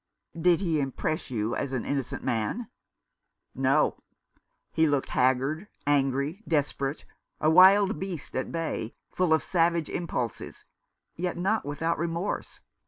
" Did he impress you as an innocent man ?"" No ! He looked haggard, angry, desperate — a wild beast at bay, full of savage impulses — yet not without remorse.